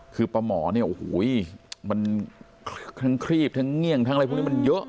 คือป้าหมอเนี่ยโอ้โหมันทั้งครีบทั้งเงี่ยงทั้งอะไรพวกนี้มันเยอะ